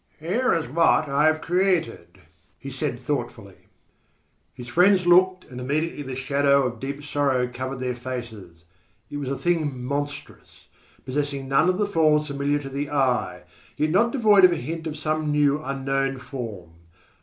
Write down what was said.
"Here is what I have created," he said thoughtfully. His friends looked, and immediately the shadow of deep sorrow covered their faces. It was a thing monstrous, possessing none of the forms familiar to the eye, yet not devoid of a hint of some new unknown form.